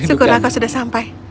syukurlah kau sudah sampai